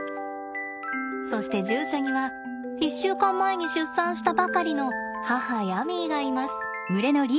そして獣舎には１週間前に出産したばかりの母ヤミーがいます。